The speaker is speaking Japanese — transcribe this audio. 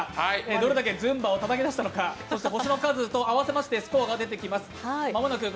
どれだけＺＵＭＢＡをたたき出したのか、そして★の数と合わせまして、スコアが出てきます。